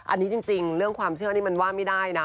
อันนี้จริงเรื่องความเชื่อนี่มันว่าไม่ได้นะ